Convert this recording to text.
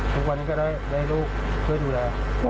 ทุกวันนี้ก็ได้ลูกช่วยดูแล